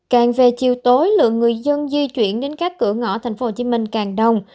càng về chiều tối lượng người dân di chuyển đến các cửa ngõ thành phố hồ chí minh càng đông